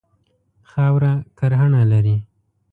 خاوره کرهڼه لري.